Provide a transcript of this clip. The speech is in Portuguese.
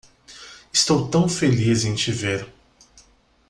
Estou tão feliz em te ver.